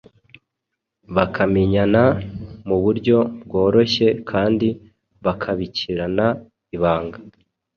bakamenyana mu buryo bworoshye kandi bakabikirana ibanga.